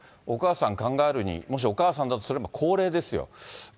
お母さん、考えるに、もしお母さんだとすれば高齢ですよ。